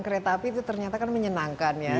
kereta api itu ternyata kan menyenangkan ya